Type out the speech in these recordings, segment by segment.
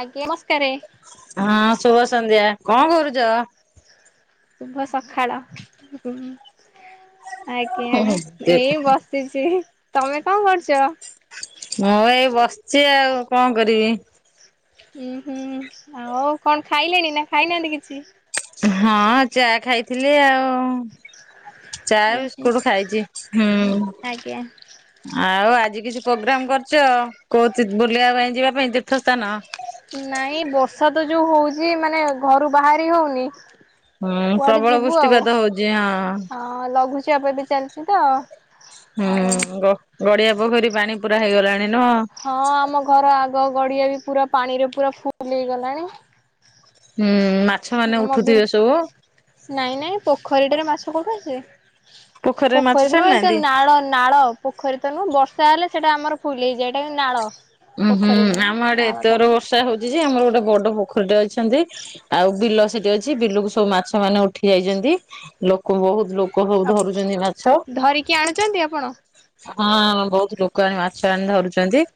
ଆଜ୍ଞା ନମସ୍କାରରେ। ହଁ ଶୁଭ ସନ୍ଧ୍ୟା କଣ କରୁଚ? ଶୁଭ ସକାଳ ଆଜ୍ଞା ଏଇ ବସ୍ ଇସି ତମେ କଣ କରୁଚ? ମୁଁ ଏଇ ବସିଚି ଆଉ କଣ କରିବି। ଉୁଁ ହୁଁ ଆଉ କଣ ଖାଇଲେଣି ନା ଖାଇନାହାନ୍ତି କିଛି? ହଁ ଚା ଖାଇଥିଲି ଆଉ। ଚା ଉଁ ହୁଁ ବିସ୍କୁଟ୍ ଖାଇଛି ହୁଁ। ଆଜ୍ଞା ଆଉ ଆଜି କିଛି ପ୍ରୋଗ୍ରାମ କରଚ କୋଉ ବୁଲିବା ପାଇଁ ଯିବା ପାଇଁ ତୀର୍ଥସ୍ଥାନ? ନାଇଁ ବର୍ଷା ତ ଯୋଉ ହୋଉଚି ମାନେ ଘରୁ ବାହାରି ହୋଉନି। ହୁଁ ପ୍ରବଳ ବୃଷ୍ଟିପାତ ହଉଛି ହଁ। ହଁ ଲଘୁଚ ଏବେ ଚାଲିଛି ତ। ଆଉ ହୁଁ ଗଡିଆ ପୋଖରୀ ପାଣି ପୁରା ହେଇଗଲାଣି ନୁହଁ। ହଁ ଆମ ଘର ଆଗ ଗଡିଆ ବି ପୁରା ପାଣିରେ ପୁରା ଫୁଲ ହେଇଗଲାଣି। ହୁଁ ମା ଆମ ବିନ୍ ନାଇଁ ନାଇଁ ପୋଖରୀଟାରେ ମାଛ କୋଠୁ ଆସିବେ। ପୋଖରୀରେ ମାଛ ପୋଖରୀ ଛାଡି ନୁହେଁ ଏତ ନାହାନ୍ତି? ନାଳ ନାଳ। ପୋଖରୀ ତୁହଁ ବର୍ଷା ହେଲେ ସେଇଟା ଆମର ଫୁଲ ହେଇଯା ଏଇଟା କି ନାଳ। ଉୁଁ ହୁଁ ପୋଖରୀ ନୁହଁ ଆମ ଆଡେ ଏତେ ନାଳଟା ବର ବର୍ଷା ହଉଚଛି ଯେ ଆମର ଗୋଟେ ବଡ ପୋଖରୀଟରେ ଅଛନ୍ତି। ଆଉ ବିଲ ସେଠି ଅଛି ବିଲକୁ ସବୁ ମାଛ ମାନେ ଉଠି ଯାଇଛନ୍ତି ଲୋକ ବହୁତ ଲୋକ। ସବୁ ଆ ଧରୁଛନ୍ତି ମାଛ। ଧରିକି ଆଣୁଛନ୍ତି ଆପଣ ହଁ ବହୁତ ଲୋକ ଆଣି ମାଛ ଆଣି ଧରୁଛନ୍ତି।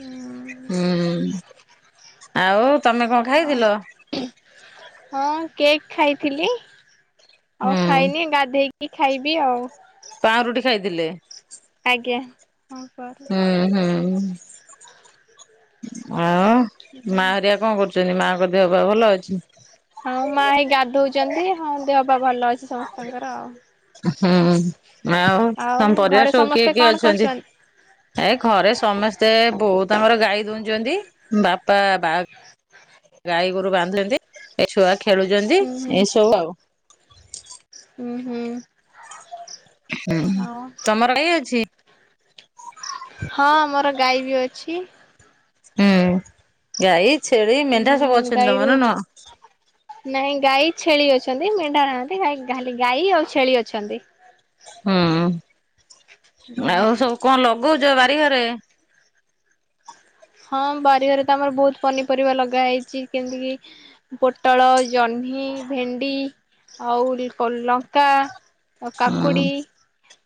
ହୁଁ ହୁଁ ଆଉ ତମେ କଣ ହଁ ଖାଇଥିଲ? ହଁ କେକ୍ ଖାଇଥିଲି ଆଉ ହୁଁ ଖାଇନି ଗାଧେଇକି। ଖାଇବି ଆଉ ପାଁଉରୁଟି ଖାଇଥିଲେ ଆଜ୍ଞା ହଁ କର ହୁଁ ହୁଁ ଆଉ ମା ହରିଆ କଣ କରୁଛନ୍ତି ମାଙ୍କ ଦେହ ବା ଭଲ ଅଛି। ହଁ ମା ହେଇ ଗାଧଉଛନ୍ତି ହଁ ଦେହ ବା ଭଲ ଅଛି ସମସ୍ତଙ୍କର ଆଉ ହୁଁ ଆଉ ତମ ପରିବ ଘରେ ସବୁ କିଏ ସମସ୍ତେ କିଏ କଣ ଅଛନ୍ତି। କରୁଛନ୍ତି? ଏ ଘରେ ସମସ୍ତେ ବହୁତ ଆଙ୍କର ଗାଈ ଦଉଛନ୍ତି ବାପା ବା ହଁ ଗାଈ ଗୋରୁ ବାନ୍ଧୁଛନ୍ତି ଏ ଛୁଆ ଖେଳୁଛନ୍ତି ହୁଁ ହୁଁ ଏସବୁ ଆଉ ହୁଁ ହୁଁ ହୁଁ ଆଉ ତମର ଏଇ ଅଛି। ହଁ ମୋର ଗାଈ ବି ଅଛି। ହୁଁ ଗାଈ, ଛେଳି, ମେଣ୍ଢା ସବୁ ଉଁ ଅଛନ୍ତି ଗାଈରୁ ତମର ନୁହଁ। ନାଇଁ ଗାଈ ଛେଳି ଅଛନ୍ତି ମେଣ୍ଢା ନାହାନ୍ତି ଖାଲି ଗାଈ ଆଉ ଛେଳି ଅଛନ୍ତି। ହୁଁ ଆଉ ସବୁ କଣ ଲଗଉଚ ବାରିଘରେ? ହଁ ବାରିଘରେ ତ ଆମର ବହୁତ ପନିପରିବା ଲଗା ହେଇଚି କେମିତିକି ପୋଟଳ, ଜହ୍ନି, ଭେଣ୍ଡି ଆଉ ଲଙ୍କା। ଆଉ ହୁଁ କାକୁଡି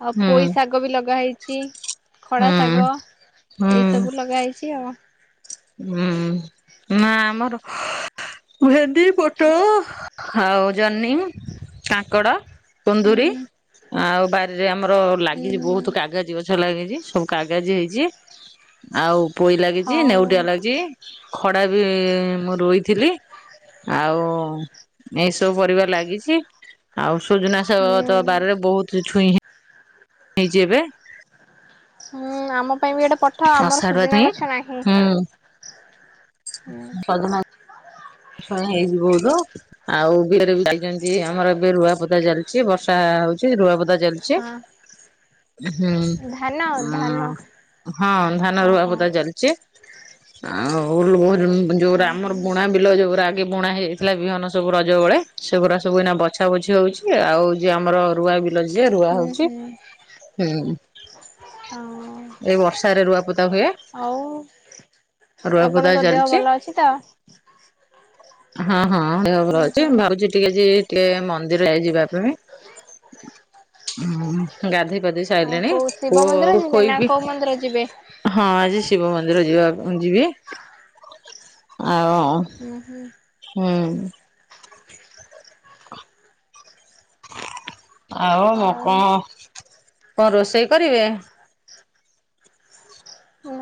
ଆଉ ହୁଁ ପୋଇ ଶାଗ ବି ଲାଗେ ଲଗା ହେଇଚି ଖଡା ହୁଁ ଶାଗ ହୁଁ ଏଇ ସବୁ ଲଗା ହେଇଚି ଆଉ। ହୁଁ ନା ଆମର ଭେଣ୍ଡି, ପୋଟଳ ଆଉ ଜହ୍ନି, କାଙ୍କଡ। କୁନ୍ଦୁରି ହୁଁ। ଆଉ ବାରିରେ ଆମର ଲାଗିଛି ହୁଁ ବହୁତ କାଗେଜ ଅ ଛ ଲାଗିଚି ସବୁ କାଗେଜି ହେଇଚି ଆଉ ପୁଇ ଲାଗିଚି ହଉ ନେଉ ଖଡା ବି ମୁଁ ରୋଇଥିଲି। ଆଉ ଏଇସବୁ ପରିବା ଲାଗିଚି। ଆଉ ସୁଜନାଶାଗ ହୁଁ। ତ ବାରି ରେ ବହୁତ ଛୁଇଁ ହେ ହେଇଜି ଏବେ। ହୁଁ ଆମ ପାଇଁ ବି ଗଟେ ପଠାଅ ଆମର ଅଷାଢୁଆ ସୁଜନା ଛୁଇଁ। ଗଛ ନାହିଁ। ହଁ ହେଇିଜି ବହୁତ। ଆଉ ବିଲରେ ଚାଲିଛି ଏମିତି ଆମର ରୂଆ ପୋତା ଚାଲିଛି। ଦ ଚାଲିଛି ହୁଁ ଧାନ ଧାନ ହଁ ଧାନ ରୁଆ ଓହୋ। ବୁଦା ଚାଲଚି। ଆଉ [unintelligible] ଯୋଉ ହୁଁ ଆମର ହୁଁ ବୁଣା ବିଲ ଯୋଉ ଆଗେ ବୁଣା ହେଇଯାଇଥିଲା ବିହନ ସବୁ ରଜ ବେଳେ ସେଗୁଡା ସବୁ ଏଇନା ବଛା ବଛି ହଉଛି ଆଉ ଯିଏ ଆମର ରୁଆ ବି ଲ ଯିଏ ରୁଆ ହୁଁ ହଉଚି ହୁଁ ହୁଁ ହଁ ଏଇ ବର୍ଷାରେ ରୁଆପୋତା ହୁଏ। ଆଉ ରୁଆ ବୁଦା ଆପଣଙ୍କ ଦେହ ଚାଲିଛି ଭଲ ଆଉ ଅଛି ତ? ହଁ ହଁ ସେ [unintelligible] ହୁଁ ଅଛି ହୁଁ ମୁଁ ଭାବୁଚି ଟିକେ ଯିବି ଟିକେ ମନ୍ଦିର ଯିବା ପାଇଁ ହଁ ଗାଧେଇ ପାଧେଇ ଆଉ ସାଇଲେଣି କୋଉ ଶିବ ପୁଅ ମନ୍ଦିର କୁ ଯିବେ ନା ଖୋଇବି। କୋଉ ମନ୍ଦିର ଯିବେ? ହଁ ଆଜି ଶିବ ମନ୍ଦିର ଯିବା ଯିବି ଆଉ ହୁଁ, ହୁଁ। ହୁଁ। ଆଉ ମୁଁ କଣ କଣ ରୋଷେଇ କରିବେ?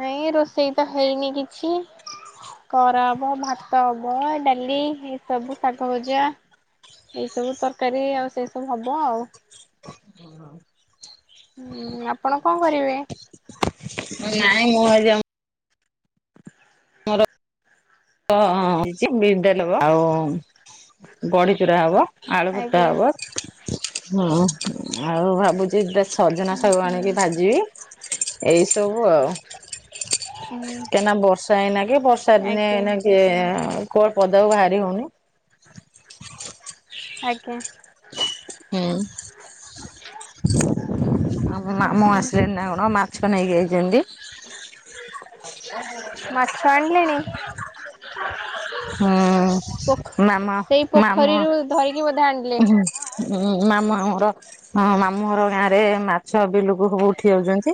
ନାଇଁ ରୋଷେଇ ତ ହେଇନି କିଛି। କରାହବ ଭାତ ହବ ଡାଲି ଏ ସବୁ ଶାଗ ଭଜା। ଏସବୁ ତରକାରୀ ଆଉ ସେଇସବୁ ହବ ଆଉ। ହୁଁ ଆପଣ କଣ କରିବେ? ନାଇଁ ମୁଁ ଭାବିଲି ଆମ୍ [inaudible] ବଢିଚୂୁରା ହବ ଆଳୁଫୁଟା ଆଜ୍ଞା ହବ। ହଁ ଆଉ ଭାବୁଚି ସଜନା ହୁଁ ଶାଗ ହୁଁ ଆଣିକି ଭାଜିବି। ଏଇ ସବୁ ଆଉ ହଉ। କାହିଁକିନା ବର୍ଷା ଏନା କି ବର୍ଷା ଦିନେ ଏଇନେ କିଏ କୁଆଡେ ପଦାକୁ ବାହାରି ହଉନି। ଆଜ୍ଞା। ହୁଁ ଆମ ହୁଁ ମାମୁଁ ହୁଁ ଆସିଲେଣି ନା କଣ ମା ମାଛ ନେଇକି ଆଇଚନ୍ତି। ମାଛ ଆଣିଲେଣି? ପୋଖ ହୁଁ ମାମା ସେଇ ମାମ ପୋଖରୀରୁ ଧରିକି ବୋଧେ ଆଣିଲେ। ଉଁ ମାମୁଁଆମର ମାମୁଁ ଘର ଗାଁ ରେ ମାଛ ବିଲକୁ ଉଠି ଯାଉଛନ୍ତି।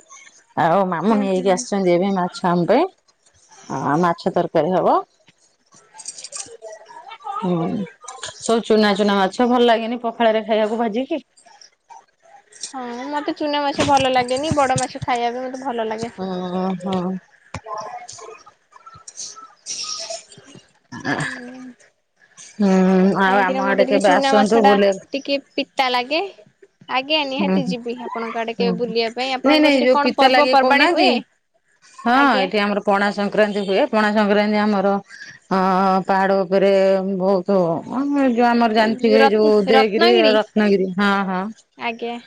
ଆଉ ମାମୁଁ ହୁଁ ହୁଁ। ନେଇକି ଆସିଛନ୍ତି ଏବେ ମାଛ ଆମ ପାଇଁ ଆ ମାଛ ତରକାରୀ ହବ। ହୁଁ ସବୁ ଚୁନା ଚୁନା ମାଛ ଭଲ ଲାଗେନି ପଖାଳରେ ଖାଇବାକୁ ଭାଜିକି। ହଁ ମତେ ଚୁନା ମାଛ ଭଲ ଲାଗେନି ବଡ ମାଛ ଖାଇବାକୁ ମତେ ଭଲ ଲାଗେ। ଓହୋ। ଆଁ। ହୁଁ। ହୁଁ ଆଉ ଆମ ଆଡେ କେବେ ମାଛ ଆସନ୍ତୁ ଟା ବୁଲି ଟିକେ ପିତା ଲାଗେ। ଆଜ୍ଞା ହୁଁ ନିହାତି ହୁଁ। ଯିବି ଆପଣଙ୍କ ଆଡେ କେ ବୁଲିବା ପାଇଁ ନାଇଁ ଆପଣଙ୍କ ନାଇଁ ସେଠି ଯୋଉ କଣ ପିତା ଲାଗେ ପର୍ବପର୍ବାଣୀ କହୁନାହାନ୍ତି ହୁଏ? ହଁ ଆଜ୍ଞା ଏଠି ଆମର ପଣା ସଂକ୍ରାନ୍ତି ହୁଏ ପଣା ସଂକ୍ରାନ୍ତି ଆମର ପାହାଡ଼ ଉପରେ ବହୁତ ତ ଆ ଯୋଉ ଆମର ଜାଣିଥିବେ ରତ୍ନ ଯୋଉ ଉଦୟଗିରି ରତ୍ନଗିରି ରତ୍ନଗିରି ହଁ ହଁ। ଆଜ୍ଞା।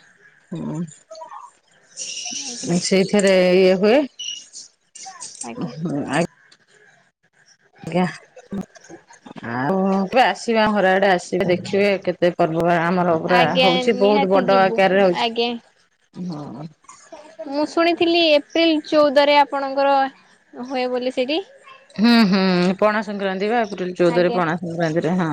ହୁଁ ଆଜ୍ଞା। ସେଇଥେରେ ଇଏ ହୁଏ। ଆଜ୍ଞା ଆ ଆଜ୍ଞା ଆଉ କେବେ ଆସିବା ଘର ଆଡେ ଆସ ଦେଖିବେ କେତେ ପର୍ବ ଆମର ପୁରା ଆଜ୍ଞା ହଉଛି ବହୁତ ନିହାତି ବଡ ଯିବୁ ଆକାରରେ ଆଜ୍ଞା। ହଉଛି। ହଁ ମୁଁ ଶୁଣିଥିଲି ଏପ୍ରିଲ ଚଉଦରେ ଆପଣଙ୍କର ହୁଏ ବୋଲି ସେଇଠି? ହୁଁ ହୁଁ ପଣା ସଂକ୍ରାନ୍ତି ବା ଏପ୍ରିଲ ଚଉଦରେ ଆଜ୍ଞା। ପଣା ସଂକ୍ରାନ୍ତିରେ ହଁ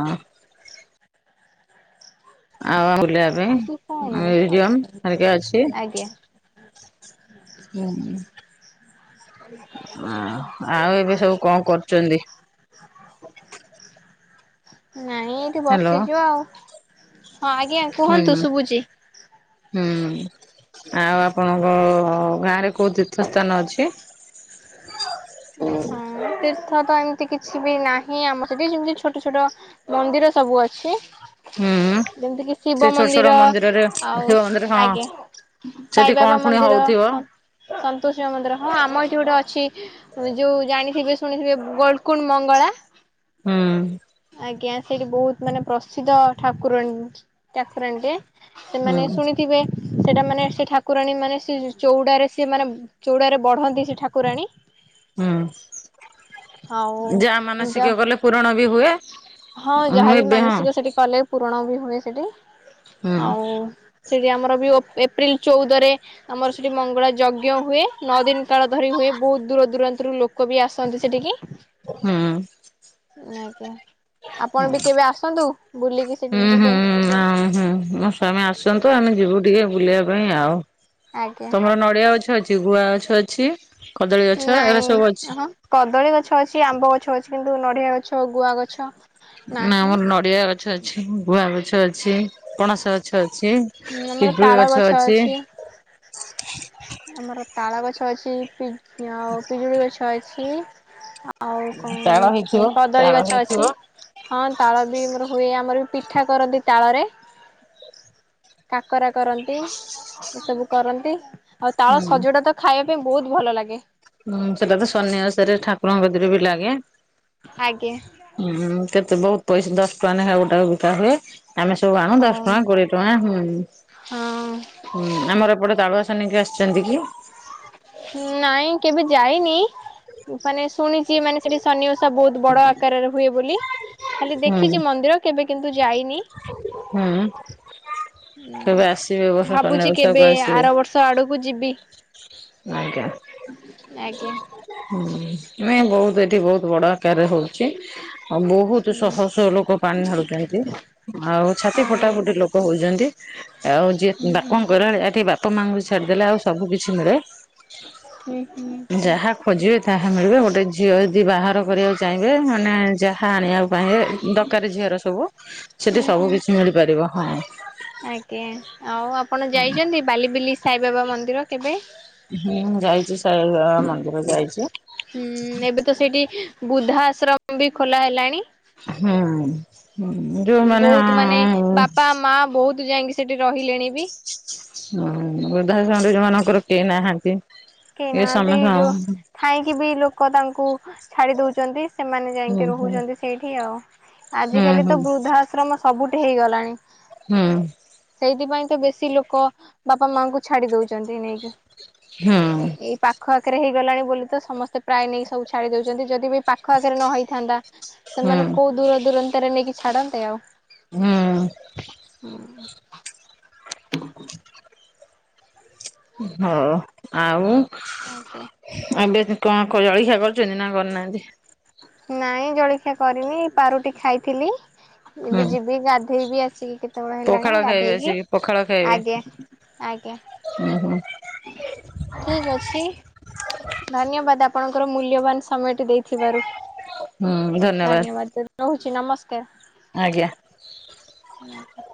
ଆଉ [inaudible] ସେ କଣ ମ୍ୟୁଜିୟମ ହେରିକା ଅଛି। [inaudible] ଆଜ୍ଞା। ହୁଁ ଆ ଆଉ ଏବେ ସବୁ କଣ କରୁଛନ୍ତି? ନାଇଁ ଏଠି ହ୍ୟାଲୋ ବସିଚୁ ଆଉ ହଁ ଆଜ୍ଞା ହୁଁ କୁହନ୍ତୁ ଶୁଭୁଛି। ହୁଁ ଆଉ ଆପଣଙ୍କ ଗାଁରେ କୋଉ ତୀର୍ଥ ସ୍ଥାନ ଅଛି? ହଁ ତିର ତୀର୍ଥ ତ ଏମିତି କିଛି ବି ନାହିଁ ଆମ ସେଠି ଯେମିତି ଛୋଟ ଛୋଟ ମନ୍ଦିର ସବୁ ଅଛି। ହୁଁ। ଯେମିତି କି ସେ ଶିବ ଛୋଟ ଛୋଟ ମନ୍ଦିର ମନ୍ଦିରରେ ଆଉ ଶିବ ମନ୍ଦିର ହଁ ଆଜ୍ଞା ସେଠି କଣ ସାଇବାବା ପୁଣି ମନ୍ଦିର ହଉଥିବ। ସନ୍ତୋଷ ମା ମନ୍ଦିର ହଁ ଆମ ଏଇଠି ଗୋଟେ ଅଛି। ଯଉ ଜାଣିଥିବେ ଶୁଣିଥିବେ ଗୋଲକୁଣ୍ଡ ମଙ୍ଗଳା। ହୁଁ। ଆଜ୍ଞା ସେଇଠି ବହୁତ ମାନେ ପ୍ରସିଦ୍ଧ ଠାକୁରଣୀ ଠାକୁରାଣୀଟେ। ହୁଁ ସେମାନେ ଶୁଣିଥିବେ। ସେଟା ମାନେ ସେ ଠାକୁରାଣୀ ମାନେ ସେ ଚଉଡାରେ ସେ ମାନେ ଚଉଡାରେ ବଢନ୍ତି ସେ ଠାକୁରାଣୀ। ହୁଁ ଆଉ ଯାହା ମାନସିକ କଲେ ପୂୁରଣ ବି ହୁଏ। ହଁ ମୁଁ ଏ ଯାହାବି ଦେହ ମାନସିକ ସେଠି କଲେ ପୁରଣ ବି ହୁଏ ସେଠି ହୁଁ ଆଉ ସେଠି ଆମର ବି ଓ ଏପ୍ରିଲ ଚଉଦରେ ଆମର ସେଠି ମଙ୍ଗଳା ଯଜ୍ଞ ହୁଏ। ନଅ ଦିନ କାଳ ଧରି ହୁଏ ବହୁତ ଦୂର ଦୂରାନ୍ତରୁ ଲୋକ ବି ଆସନ୍ତି ସେଠିକି। ହୁଁ। ଆଜ୍ଞା ଆପଣ ବି କେବେ ଆସନ୍ତୁ ବୁଲିକି ସେଠିକି ଯିବେ। ହଁ ହଁ। ହୁଁ ମୋ ସ୍ଵାମୀ ଆସନ୍ତୁ ଆମେ ଯିବୁ ଟିକେ ବୁଲିବା ପାଇଁ ଆଉ ଆଜ୍ଞା ତମର ନଡିଆ ଅଛି ଗଛ ଅଛି ଗୁଆ ଗଛ ଅଛି କଦଳୀ ଗଛ ଏରା ନାଇଁ ସବୁ ଅଛି? ହଁ କଦଳୀ ଗଛ ଅଛି ଆମ୍ବ ଗଛ ଅଛି କିନ୍ତୁ ନଡ଼ିଆ ଗଛ ଗୁଆ ଗଛ ନା ନାହିଁ ଆମର ନଡିଆ ଗଛ ଅଛି ଗୁଆ ଗଛ ଅଛି ପଣସ ଗଛ ଅଛି। ପିଜୁଳି ଗଛ ଅଛି। ଆମର ତାଳ ଗଛ ଅଛି ଆ ପିଜୁଳି ଗଛ ଅଛି ଆ ଆଉ ତାଳ ହେଇଥିବ କଣ କଦଳୀ ତାଳ ଗଛ ହେଇଥିବ। ଅଛି। ହଁ ତାଳ ବି ଆମର ହୁଏ ଆମର ବି ପିଠା କରନ୍ତି ତାଳରେ। କାକରା କରନ୍ତି ଏସବୁ କରନ୍ତି ଆଉ ହୁଁ ତାଳ ସଜଡା ତ ଖାଇବା ପାଇଁ ବହୁତ ଭଲ ଲାଗେ। ହୁଁ ସେଟା ତ ସନ୍ନ୍ୟିବାସରେ ଠାକୁରଙ୍କ କତିରେ ବି ଲାଗେ। ଆଜ୍ଞା। ହୁଁ କେତେ ବହୁତ ପଇସା ଦଶ ଟଙ୍କା ଲେଖା ଗୋଟା ବିକା ହୁଏ ଆମେ ସବୁ ଆଣୁ ହଁ ଦଶ ଟଙ୍କା କୋଡିଏ ଟ। ଟ ହଁ। ହୁଁ ହୁଁ ଆମର ଏପଟେ ତାଳୁଆସନୀିକି ଆସିଛନ୍ତି କି। ନାଇଁ କେବେ ଯାଇନି। ମାନେ ଶୁଣିଛି ମାନେ ସେଠି ସନି ଓଷା ବହୁତ ବଡ ଆକାରରେ ହୁଏ ବୋଲି। ଖାଲି ହୁଁ ଦେଖିଛି ମନ୍ଦିର କେବେ କିନ୍ତୁ ଯାଇନି। ହୁଁ ହଁ କେବେ ଆସିବେ ଏ ବର୍ଷ ଶନି ଭାବୁଛି ଓଷାକୁ କେବେ ଆସିବେ ଆର ବର୍ଷ ଆଡକୁ ଯିବି। ଆଜ୍ଞା। ଆଜ୍ଞା। ହୁଁ, ନାଇଁ ବହୁତୁ ଏଠି ବହୁତ ବଡ ଆକାରରେ ହଉଛି। ଓ ବହୁତୁ ହୁଁ ଶହ ଶହ ଲୋକ ପାଣି ଢାଳୁଚନ୍ତି, ଆଉ ଛାତି ହଁ। ଫଟା ଫୁଟି ଲୋ କ ହଉଚନ୍ତି, ଆଉ ହୁଁ ଯିଏ ହୁଁ ବାପଙ୍କର ଆଡେ ଏଠି ବାପ ମାଆ ଙ୍କୁ ଛାଡିଦେଲେ ଆଉ ସବୁ କିିଛି ମିଳେ। [inaudible] ଯାହା ଖୋଜିବେ ତାହା ମିଳିବ। ଗୋଟେ ଝିଅ ଯଦି ବାହାର କରିବାକୁ ଚାହିଁବେ ମାନେ ଯାହା ଆଣିବାକୁ ପାହିଁବେ ଦ କାର ଝିଅର ସବୁ ସେଠି ହୁଁ, ସବୁ ହୁଁ, କିଛି ମିଳିପାରିବ ହଁ। ଆଜ୍ଞା ଆଉ ଆପଣ ଯାଇଚନ୍ତି ବାଲି ବିଲି ସାଇବାବା ମନ୍ଦିର କେବେ? ହୁଁ, ଯାଇଚି, ସାଇବାବା ମନ୍ଦିର ଯାଇଚି। ହୁଁ, ଏବେ ତ ସେଇଠି ବୃଦ୍ଧା ଆଶ୍ରମ ବି ଖୋଲା ହେଲାଣି। ହଁ। ହୁଁ, ଯୋ ବହୁତ ମାନେ ବାପା ମା ବହୁତ ଯାଇକି ସେଠି ରହିଲେଣି ବି। ହଁ ବୃଦ୍ଧାଶ୍ରମରେ ଯୋଉମାନଙ୍କର କେହି ନାହାନ୍ତି କେହି ଏ ନାହାନ୍ତି ସମେଖ ଯୋଉ ଥାଇକି ବି ଲୋକ ତାଙ୍କୁ ଛାଡି ଦଉଚନ୍ତି ସେମାନେ ହୁଁ ଯାଇକି ହୁଁ ରହୁଚନ୍ତି ସେଇଠି ଆଉ। ଆଜିକାଲି ହୁଁ ତ ବୃଦ୍ଧାଶ୍ରମ ସବୁଠି ହେଇଗଲାଣି। ହୁଁ। ସେଇଥିପାଇଁ ତ ବେଶୀ ଲୋକ ବାପା ମାଙ୍କୁ ଛାଡି ଦଉଚନ୍ତି ନେଇକି। ହୁଁ ଏଇ ପାଖ ଆଖରେ ହେଇଗଲାଣି ବୋଲି ତ ସମସ୍ତେ ପ୍ରାୟ ନେଇ ସବୁ ଛାଡି ଦଉଚନ୍ତି। ଯଦି ବି ପାଖ ଆଖରେ ନ ହେଇଥାନ୍ତା ହୁଁ ହୁଁ ସେମାନେ କୋଉ ଦୂର ଦୂରାନ୍ତରେ ନେଇକି ଛାଡନ୍ତେ ଆଉ। ହୁଁ। ହୋ ଆଉ। ଏବେ ସେ କଣ କ-ଜଳିଖିଆ କରିଛନ୍ତି ନା କରନାହାନ୍ତି? ନାଇଁ ଜଳଖିଆ କରିନି ପାରୁଟି ଖାଇଥିଲି, ହୁଁ ଏବେ ଯିବି ଗାଧେଇବି ଆସିକି କେ ତେବେଳେ ହେଲାଣି ପଖାଳ ଖାଇବେ ଗାଧେଇକି ଆସିକି ପଖାଳ ଖାଇବେ ଆଜ୍ଞା, ଆଜ୍ଞା ଠିକ୍ ଅଛି ଧନ୍ୟବାଦ ଆପଣଙ୍କର ମୂଲ୍ୟବାନ ସମୟ ଟି ଦେଇଥିବାରୁ। ହୁଁ ଧ ଧନ୍ୟବାଦ ଯେ ରହୁଛି ନମସ୍କାର। ଆଜ୍ଞା। [inaudible]